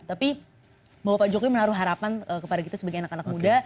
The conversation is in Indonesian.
tapi bahwa pak jokowi menaruh harapan kepada kita sebagai anak anak muda